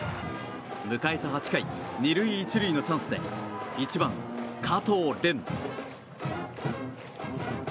迎えた８回２塁１塁のチャンスで１番、加藤蓮。